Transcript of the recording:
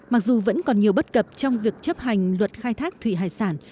mặc dù vẫn còn nhiều bất cập trong việc chấp hành luật khai thác thủy hải sản